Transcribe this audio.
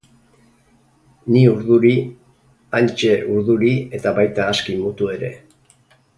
Ni urduri, Antje urduri eta baita aski mutu ere.